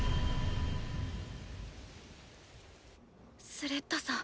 スレッタさん